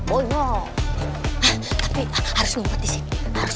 banyak banget sih zara